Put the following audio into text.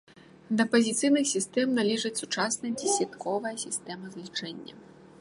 Да пазіцыйных сістэм належыць сучасная дзесятковая сістэма злічэння.